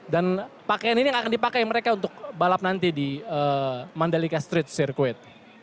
dan pakaian ini akan dipakai mereka untuk balap nanti di mandalika street circuit